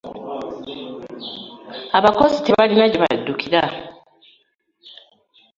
Abakozi tebalina gye baddukira.